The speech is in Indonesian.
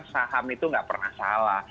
yang saham itu gak pernah salah